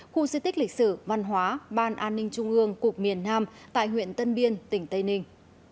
khu di tích lịch sử văn hóa ban an ninh trung ương cục miền nam tại huyện tân biên tỉnh tây ninh